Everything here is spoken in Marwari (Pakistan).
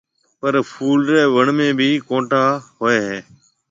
پر ڦول ري وڻ ۾ بي ڪونٽا هوئي هيَ۔